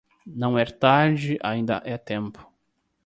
Não é tarde, ainda é tempo